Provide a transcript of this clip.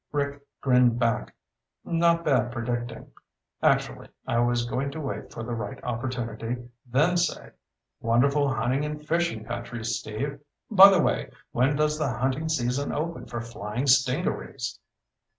'" Rick grinned back. "Not bad predicting. Actually, I was going to wait for the right opportunity, then say, 'Wonderful hunting and fishing country, Steve. By the way, when does the hunting season open for flying stingarees?'"